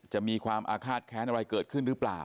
จะมีความอาฆาตแค้นอะไรเกิดขึ้นหรือเปล่า